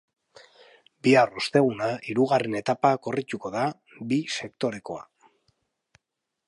Bihar osteguna, hirugarren etapa korrituko da, bi sektorekoa.